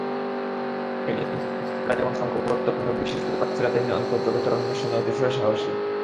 এইজন্য পাশ্চাত্যেরা যেমন সঙ্ঘবদ্ধ কর্মে বিশেষ পটু, প্রাচ্যেরা তেমনি অন্তর্জগতের অন্বেষণে অতিশয় সাহসী।